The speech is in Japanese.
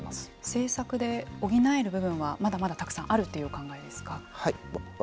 政策で補える部分はまだまだたくさんあるということですか。